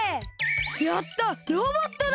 やった！